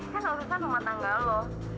kan urusan rumah tangga loh